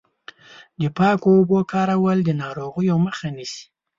د پاکو اوبو کارول د ناروغیو مخه نیسي.